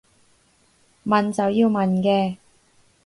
問就要問嘅